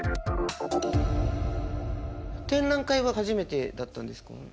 展覧会は初めてだったんですかね？